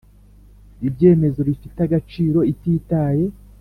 Ibyemezo bifite agaciro ititaye